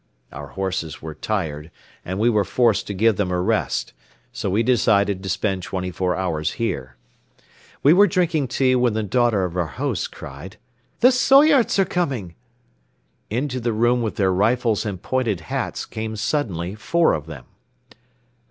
Our horses were tired and we were forced to give them a rest, so we decided to spend twenty four hours here. We were drinking tea when the daughter of our host cried: "The Soyots are coming!" Into the room with their rifles and pointed hats came suddenly four of them.